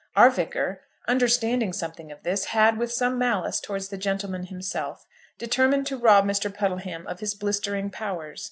Our Vicar, understanding something of this, had, with some malice towards the gentleman himself, determined to rob Mr. Puddleham of his blistering powers.